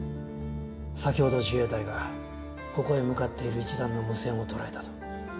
先ほど自衛隊がここへ向かっている一団の無線を捉えたと。